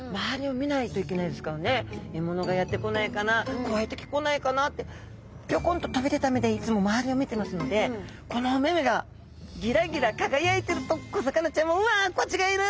獲物がやって来ないかな怖い敵来ないかなってぴょこんと飛び出た目でいつも周りを見てますのでこのお目目がギラギラ輝いてると小魚ちゃんも「うわ！コチがいる！